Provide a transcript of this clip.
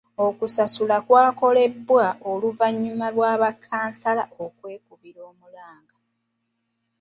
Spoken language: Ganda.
Okusasula kwakolebwa oluvannyuma lwa ba kkansala okwekubira omulanga.